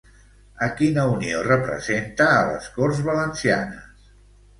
A quina unió representa a les Corts Valencianes?